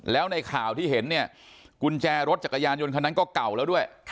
แล้วในข่าวที่เห็นเนี่ยกุญแจรถจักรยานยนต์คนนั้นก็เก่าแล้วด้วย